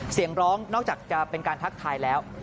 เสียงร้องนอกจากจะเป็นการทักทายแล้ว